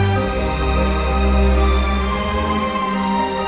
ขอเป็นข้ารอพระบาททุกชาติไป